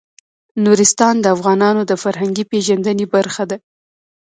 نورستان د افغانانو د فرهنګي پیژندنې برخه ده.